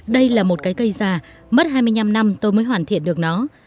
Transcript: đây là một cái cây già mất hai mươi năm năm tôi mới hoàn thiện được nó